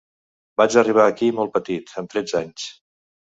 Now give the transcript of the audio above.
Vaig arribar aquí molt petit, amb tretze anys.